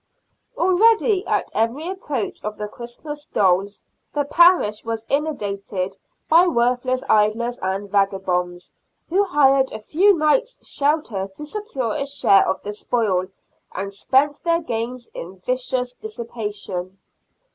Already, at every approach of the Christmas doles, the parish was inundated by worthless idlers and vagabonds, who hired a few nights' shelter to secure a share of the spoil, and spent their gains in vicious dissipation.